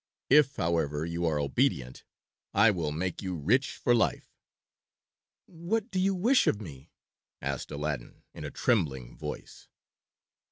If, however, you are obedient I will make you rich for life." "What do you wish of me?" asked Aladdin in a trembling voice.